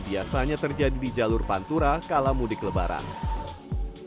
biasanya terjadi di jalur pantura kalamudik lebaran saat ini saya berada di jalan jalan pantura